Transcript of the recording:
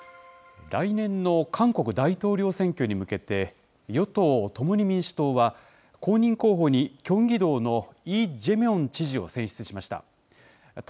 来年の韓国大統領選挙に向けて、与党・共に民主党は、公認候補にキョンギ道のイ・ジェミョン知事を選出しました。